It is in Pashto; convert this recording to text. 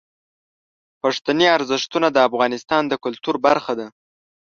پښتني ارزښتونه د افغانستان د کلتور برخه ده.